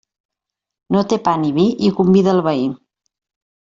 No té pa ni vi, i convida el veí.